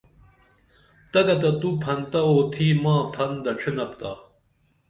تگہ تہ تو پھن تہ اُوتھی ماں پھن دڇِھنپ تا